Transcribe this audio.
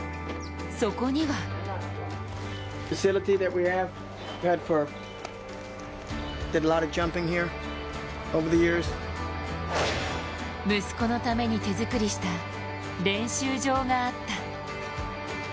そこには息子のために手作りした練習場があった。